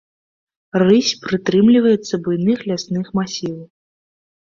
Рысь прытрымліваецца буйных лясных масіваў.